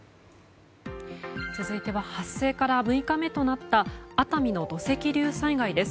続いては発生から６日目となった熱海の土石流災害です。